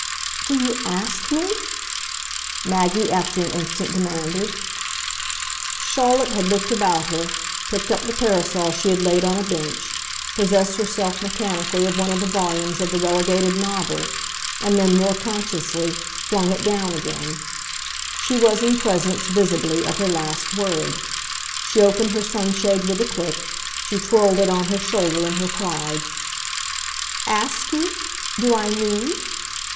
"Do you ASK me?" Maggie after an instant demanded. Charlotte had looked about her, picked up the parasol she had laid on a bench, possessed herself mechanically of one of the volumes of the relegated novel and then, more consciously, flung it down again: she was in presence, visibly, of her last word. She opened her sunshade with a click; she twirled it on her shoulder in her pride. "'Ask' you? Do I need?